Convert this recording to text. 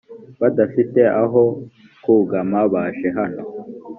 badafite aho kugama baje hano